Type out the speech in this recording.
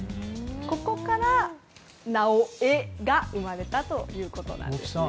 ここから、なおエが生まれたということです。